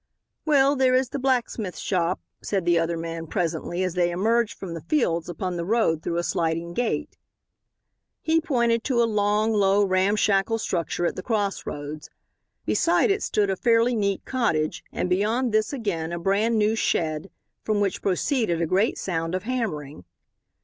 "Well, there is the blacksmith shop," said the other man presently, as they emerged from the fields upon the road through a sliding gate. He pointed to a long, low, ramshackle structure at the cross roads. Beside it stood a fairly neat cottage and beyond this again a brand new shed, from which proceeded a great sound of hammering.